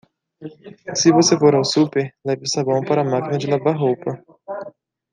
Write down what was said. Se você for ao super, leve sabão para a máquina de lavar roupa.